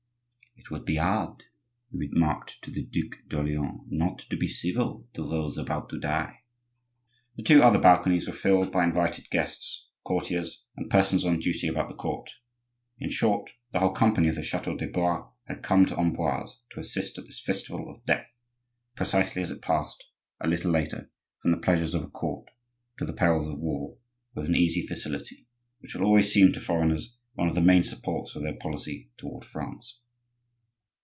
"It would be hard," he remarked to the Duc d'Orleans, "not to be civil to those about to die." The two other balconies were filled by invited guests, courtiers, and persons on duty about the court. In short, the whole company of the chateau de Blois had come to Amboise to assist at this festival of death, precisely as it passed, a little later, from the pleasures of a court to the perils of war, with an easy facility, which will always seem to foreigners one of the main supports of their policy toward France.